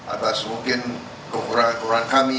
atas mungkin kekurangan kekurangan kami